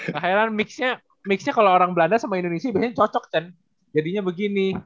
gak heran mixnya kalau orang belanda sama indonesia biasanya cocok kan jadinya begini